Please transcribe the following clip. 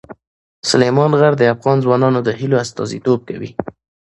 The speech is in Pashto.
سلیمان غر د افغان ځوانانو د هیلو استازیتوب کوي.